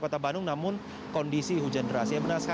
kota bandung namun kondisi hujan deras